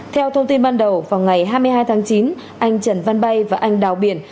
theo thông tin ban đầu vào ngày hai mươi hai tháng chín anh trần văn bay và anh đào biển